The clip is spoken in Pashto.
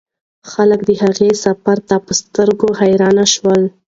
خلک د هغه سفر ته په سترګو حیران شول.